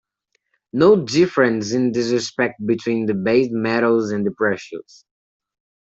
No difference in this respect between the base metals and the precious.